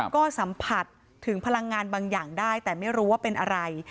ก็สัมผัสถึงพลังงานบางอย่างได้แต่ไม่รู้ว่าเป็นอะไร